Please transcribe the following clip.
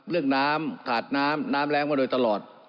เรื่องน้ำขาดน้ำน้ำแรงมาโดยตลอด